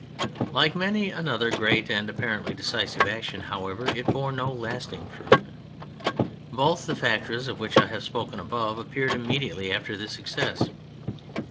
Like many another great and apparently decisive action, however, it bore no lasting fruit. Both the factors of which I have spoken above appeared immediately after this success.